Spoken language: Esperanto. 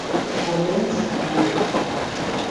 Komenci frue!